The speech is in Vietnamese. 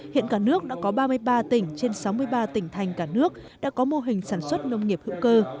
hiện cả nước đã có ba mươi ba tỉnh trên sáu mươi ba tỉnh thành cả nước đã có mô hình sản xuất nông nghiệp hữu cơ